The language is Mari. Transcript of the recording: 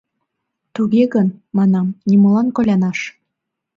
— Туге гын, — манам, — нимолан колянаш.